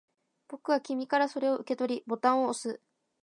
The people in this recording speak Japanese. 僕は君からそれを受け取り、ボタンを押す